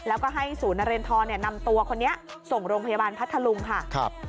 แล้วก็ให้ศูนย์นเรนทรนำตัวคนนี้ส่งโรงพยาบาลพัทธลุงค่ะ